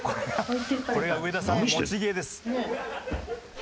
これが上田さんの持ち芸です。